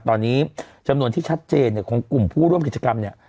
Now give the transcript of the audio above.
ตอนนี้จำนวนที่ชัดเจนเนี่ยของกลุ่มผู้ร่วมกิจกรรมเนี่ย